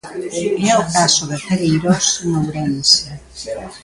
É o caso de Celeirós, en Ourense.